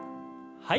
はい。